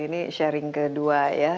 ini sharing kedua ya